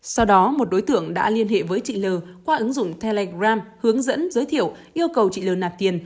sau đó một đối tượng đã liên hệ với chị l qua ứng dụng telegram hướng dẫn giới thiệu yêu cầu chị l nạp tiền